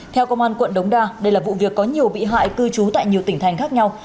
theo công an quận đống đa đây là vụ việc có nhiều bị hại cư trú tại nhiều tỉnh thành khác nhau